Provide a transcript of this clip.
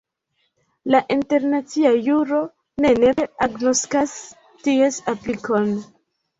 La internacia juro ne nepre agnoskas ties aplikon.